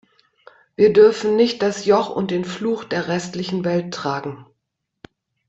Wir dürfen nicht das Joch und den Fluch der restlichen Welt tragen.